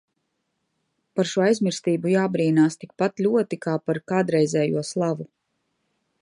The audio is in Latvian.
Par šo aizmirstību jābrīnās tikpat ļoti, kā par kādreizējo slavu.